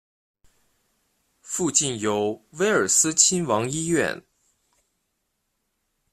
附近有威尔斯亲王医院。